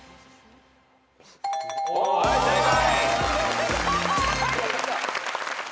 はい正解。